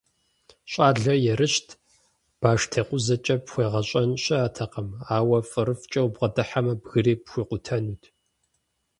ЩӀалэр ерыщт, баштекъузэкӀэ пхуегъэщӀэн щыӀэтэкъым, ауэ фӀырыфӀкӀэ убгъэдыхьэмэ, бгыри пхуикъутэнут.